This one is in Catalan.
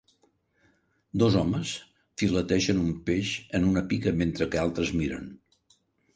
Dos homes filetegen un peix en una pica mentre que altres miren.